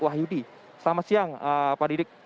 selamat siang pak dibik